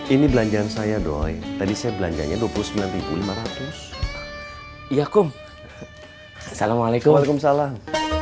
ini belanjaan saya doy tadi saya belanjanya dua puluh sembilan ribu lima ratus iya kum assalamualaikum waalaikumsalam